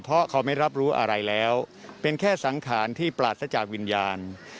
เพราะเขาไม่รับรู้อะไรแล้วเป็นแค่สังขารที่ปราศจากวิญญาณ